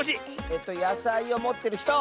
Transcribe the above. えっとやさいをもってるひと！